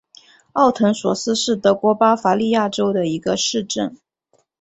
奥滕索斯是德国巴伐利亚州的一个市镇。